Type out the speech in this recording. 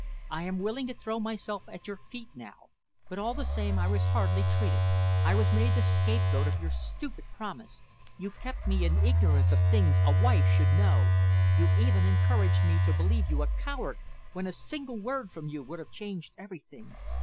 "I am willing to throw myself at your feet now, but all the same I was hardly treated. I was made the scapegoat of your stupid promise. You kept me in ignorance of things a wife should know. You even encouraged me to believe you a coward, when a single word from you would have changed everything.